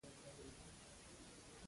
ځوانان دي دا اثر تر پټې خزانې مخکې ولولي.